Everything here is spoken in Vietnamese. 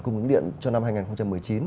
cung ứng điện cho năm hai nghìn một mươi chín